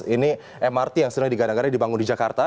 ini mrt yang sedang digadang gadang dibangun di jakarta